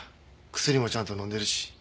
薬もちゃんと飲んでるし。